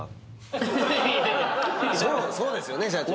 そうそうですよね社長。